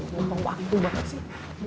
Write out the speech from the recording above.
womong banget sih